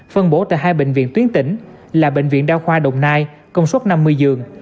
phân bổ tại hai bệnh viện tuyến tỉnh là bệnh viện đa khoa đồng nai công suất năm mươi giường